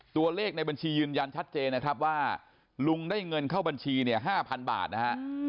ตัวเลขในบัญชียืนยันชัดเจนนะครับว่าลุงได้เงินเข้าบัญชีเนี่ย๕๐๐บาทนะฮะ